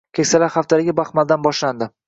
“Keksalar haftaligi” Baxmaldan boshlandi